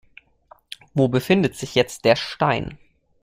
Wo befindet sich jetzt der Stein?